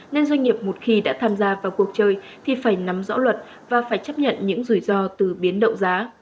nên doanh nghiệp một khi đã tham gia vào cuộc chơi thì phải nắm rõ luật và phải chấp nhận những rủi ro từ biến động giá